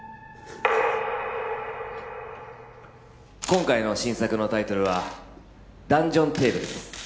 今回の新作のタイトルは「ダンジョンテーブル」です